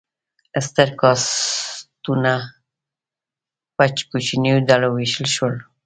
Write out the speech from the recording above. ستر کاستونه په کوچنیو ډلو وویشل شول.